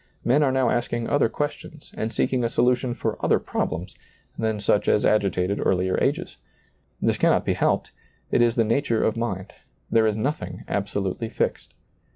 Men are now asking other questions and seeking a ^lailizccbvGoOgle THE COMING TEMPLE 177 solution for other problems than such as agitated earlier ages. This cannot be helped, — it is the nature of mind ; there is nothing absolutely fixed.